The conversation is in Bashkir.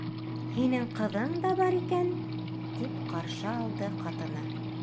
Һинең ҡыҙың да бар икән! -тип ҡаршы алды ҡатыны.